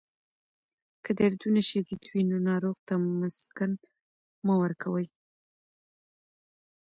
که دردونه شدید وي، نو ناروغ ته مسکن مه ورکوئ.